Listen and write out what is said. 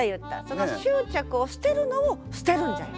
その執着を捨てるのを捨てるんじゃよ。